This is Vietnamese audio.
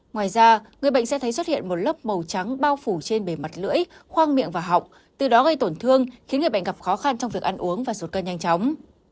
ngoài ra người bệnh sẽ thấy xuất hiện một lớp màu trắng bao phủ trên bề mặt lưỡi khoang miệng và họng từ đó gây tổn thương khiến người bệnh gặp khó khăn trong việc ăn uống và ruột cơ nhanh chóng